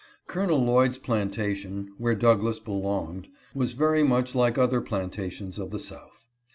Col. Lloyd's plantation, where Douglass belonged, was very much like other plantations of the south.